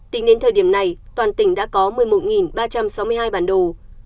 tính đến thời điểm này toàn tỉnh đã có một mươi một ba trăm sáu mươi hai bản đồ